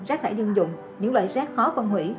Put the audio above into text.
rác thải dân dụng những loại rác khó phân hủy